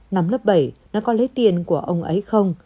năm lớp bảy nó có lấy tiền của ông ấy không